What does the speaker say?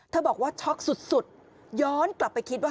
บอกว่าช็อกสุดย้อนกลับไปคิดว่า